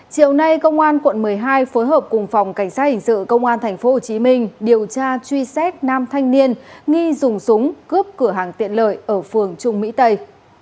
chiều nay công an quận một mươi hai phối hợp cùng phòng cảnh sát hình sự công an tp hcm điều tra truy xét nam thanh niên nghi dùng súng cướp cửa hàng tiện lợi ở phường trung mỹ tây